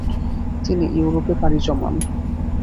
তিনি ইউরোপে পাড়ি জমান।